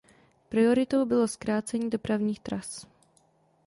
Prioritou bylo zkrácení dopravních tras.